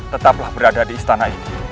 tetaplah berada di istana ini